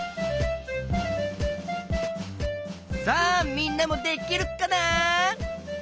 さあみんなもできるかな？